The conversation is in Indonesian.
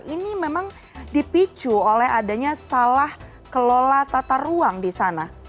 ini memang dipicu oleh adanya salah kelola tata ruang di sana